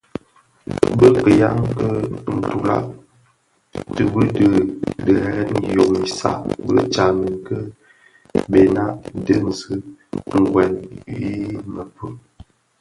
Bi kiyaň ki ntulag ti bi dhi dhen yom a saad bi tsamèn ki bena yi diňzi wuèl i mëpud.